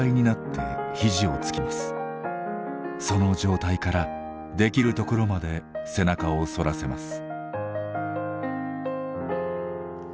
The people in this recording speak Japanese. その状態からできるところまで背中を反らせます。